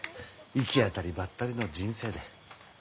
行き当たりばったりの人生で。